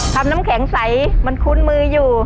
น้ำแข็งใสมันคุ้นมืออยู่